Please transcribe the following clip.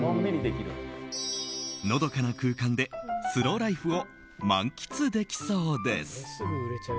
のどかな空間でスローライフを満喫できそうです。